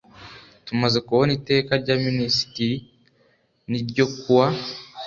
tumaze kubona iteka rya minisitiri n ryo kuwa